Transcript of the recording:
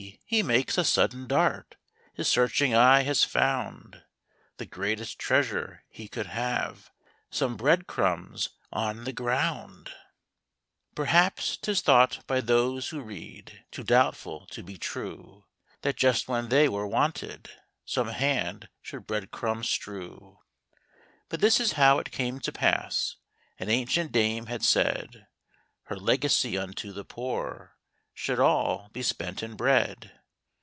he makes a sud den dart His searching eye has found The greatest treasure he could have, — Some bread crumbs on the ground ! 19 } THE ROBIN'S CHRISTMAS EVE. Perhaps 'tis thought by those who read Too doubtful to be true, That just when they were wanted, Some hand should bread crumbs strew But this is how it came to pass : An ancient dame had said Her legacy unto the poor Should all be spent in bread.